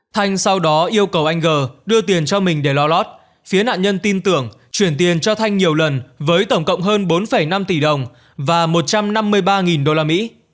thanh sau đó yêu cầu anh g đưa tiền cho mình để lo lót phía nạn nhân tin tưởng chuyển tiền cho thanh nhiều lần với tổng cộng hơn bốn năm tỷ đồng và một trăm năm mươi ba đô la mỹ